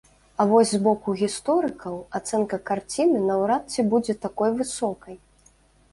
А вось з боку гісторыкаў ацэнка карціны наўрад ці будзе такой высокай.